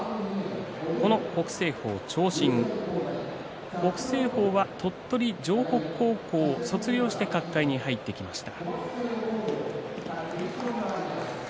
この北青鵬、長身北青鵬は鳥取城北高校を卒業して角界に入ってきました。